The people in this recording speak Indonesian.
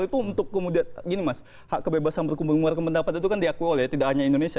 pr itu untuk kemudian gini mas hak kebebasan berkembang ke luar kependapatan itu kan diakui oleh tidak hanya indonesia